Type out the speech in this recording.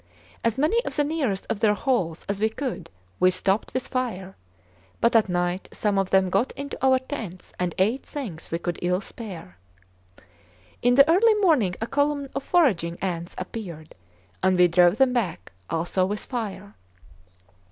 As many of the nearest of their holes as we could we stopped with fire; but at night some of them got into our tents and ate things we could ill spare. In the early morning a column of foraging ants appeared, and we drove them back, also with fire.